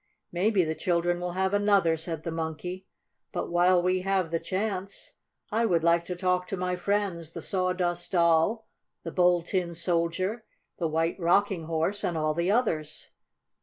"Maybe the children will have another," said the Monkey. "But, while we have the chance, I would like to talk to my friends the Sawdust Doll, the Bold Tin Soldier, the White Rocking Horse, and all the others."